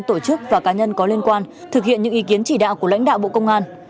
tổ chức và cá nhân có liên quan thực hiện những ý kiến chỉ đạo của lãnh đạo bộ công an